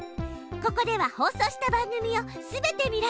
ここでは放送した番組を全て見られるの。